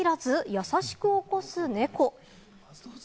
優しく起こす猫。